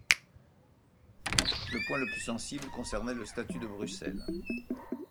Le point le plus sensible concernait le statut de Bruxelles.